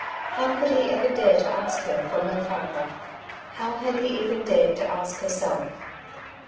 How could he ever dare to ask her from her father ? How had he even dared to ask herself?